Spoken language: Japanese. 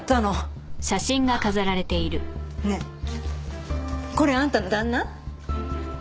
ねえこれあんたの旦那？